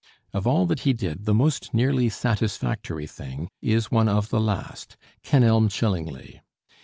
Of all that he did, the most nearly satisfactory thing is one of the last, 'Kenelm Chillingly.'